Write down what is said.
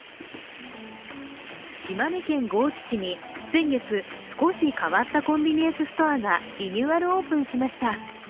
島根県江津市に先月、少し変わったコンビニエンスストアがリニューアルオープンしました。